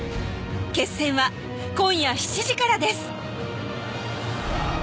決戦は今夜７時からです